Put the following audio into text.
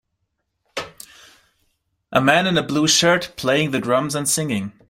A man in a blue shirt playing the drums and singing